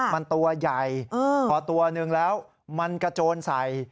มันตัวใหญ่พอตัวหนึ่งแล้วมันกระโจนใส่